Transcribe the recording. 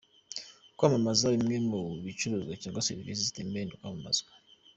Kwamamaza bimwe mu bicuruzwa cyangwa serivisi zitemerewe kwamamazwa: .